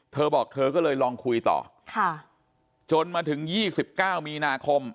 เธอบอกเธอก็เลยลองคุยต่อจนมาถึง๒๙มีนาคม